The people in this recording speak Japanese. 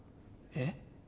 えっ？